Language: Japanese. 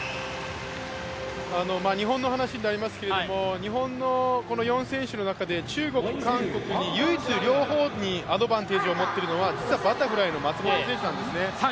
日本の話になりますけど、日本の４選手の中で中国、韓国に唯一アドバンテージを持っているのは松元選手なんですね。